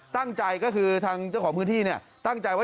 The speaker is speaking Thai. ข้างเจ้าของพืชที่เนี่ยตั้งใจที่